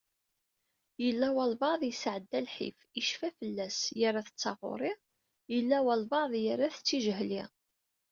Yella walbeεd, yesεedda lḥif yecfa fell-as, yerra-t d taɣuri, yella wayeḍ, yerra-t d tijehli.